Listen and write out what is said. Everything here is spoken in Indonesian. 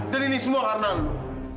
dan ini semua karena lo